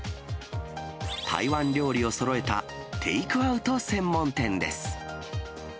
台湾料理をそろえたテイクアウト専門店です。